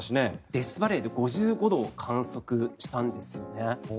デスバレーで５５度を観測したんですよね。